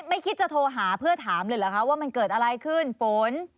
ไม่คิดจะโทรหาเพื่อถามเลยเหรอคะว่ามันเกิดอะไรขึ้นฝน